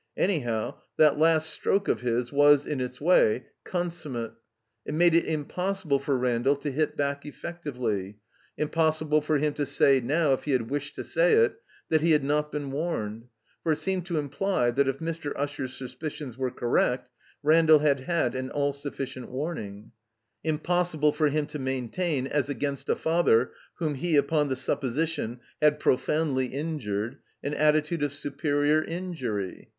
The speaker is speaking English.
Anyhow, that last stroke of his was, in its way, consummate. It made it im* possible for Randall to hit back effectively; impos sible for him to say now, if he had wished to say it, that he had not be«n warned (for it seemed to imply that if Mr. Usher's suspicions were correct, Randall had had an all sufficient warning); impossible for him to maintain, as against a father whom he, upon the supposition, had profoundly injured, an attitude of superior injury.